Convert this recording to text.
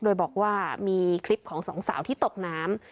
โดยบอกว่ามีคลิปของสองสาวที่ตกน้ำ